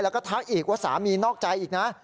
แล้วก็ทักอีกว่าสามีนอกใจอีกนะ